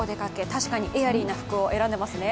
確かにエアリーな服を選んでいますね。